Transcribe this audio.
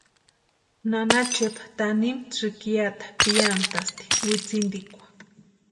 Nana Chepa tanimu tsïkiata piantʼasti wintsintikwa.